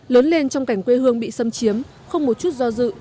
lớn lên trong cảnh quê hương bị xâm chiếm không một chút do dự